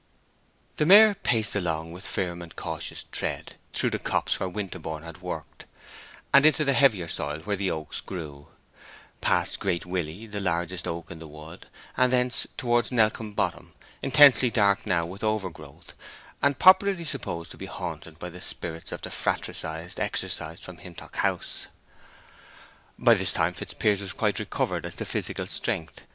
The mare paced along with firm and cautious tread through the copse where Winterborne had worked, and into the heavier soil where the oaks grew; past Great Willy, the largest oak in the wood, and thence towards Nellcombe Bottom, intensely dark now with overgrowth, and popularly supposed to be haunted by the spirits of the fratricides exorcised from Hintock House. By this time Fitzpiers was quite recovered as to physical strength.